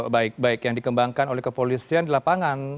baik baik yang dikembangkan oleh kepolisian di lapangan